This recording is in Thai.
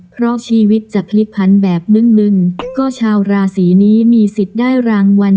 เพราะชีวิตจะพลิกพันธุ์แบบนึ่งหนึ่งก็ชาวราศีนี้มีสิทธิ์ได้รางวัล